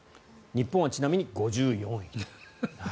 日本はちなみに５４位。